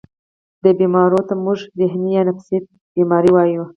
دې بيمارو ته مونږ ذهني يا نفسياتي بيمارۍ وايو